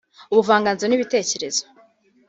ubuvanganzo n’ibitekerezo